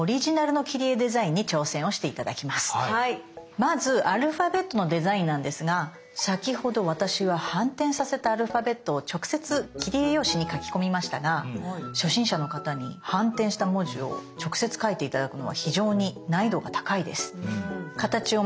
まずアルファベットのデザインなんですが先ほど私は反転させたアルファベットを直接切り絵用紙に描き込みましたが初心者の方に反転した文字を直接描いて頂くのは非常に難易度が高いです。